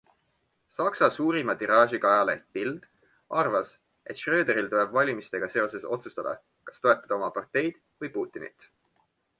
Saksa suurima tiraažiga ajaleht Bild arvas, et Schröderil tuleb valimistega seoses otsustada, kas toetada oma parteid või Putinit.